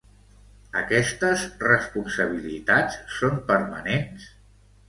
Aquestes responsabilitats són permanents?